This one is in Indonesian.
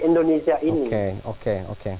indonesia ini oke oke